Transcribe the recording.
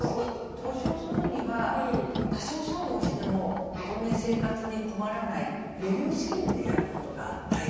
投資をするには多少損をしても当面生活に困らない余裕資金でやることが大事なんだよね。